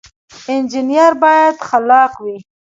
انجنیر باید خلاق وي